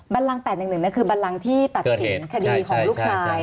บันลังค์๘๑๑น่ะคือบันลังค์ที่ตัดสินคดีของลูกชาย